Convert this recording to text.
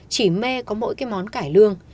chỉ mê có mỗi cái món cải lương